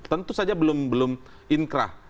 tentu saja belum inkrah